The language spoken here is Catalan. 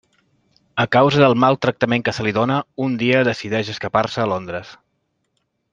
A causa del mal tractament que se li dóna, un dia decideix escapar-se a Londres.